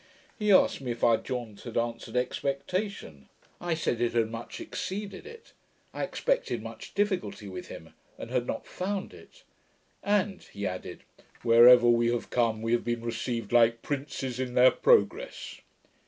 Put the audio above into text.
He asked me if our jaunt had answered expectation. I said it had much exceeded it. I expected much difficulty with him, and had not found it 'And,' he added, 'wherever we have come, we have been received like princes in their progress.'